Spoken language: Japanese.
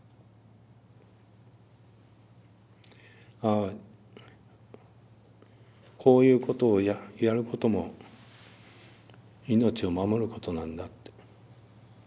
ああこういうことをやることも命を守ることなんだって。